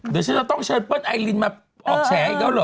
อ๋อเดี๋ยวจะต้องเชิญเปิ้ลไอรินมาออกแสอีกแล้วหรือ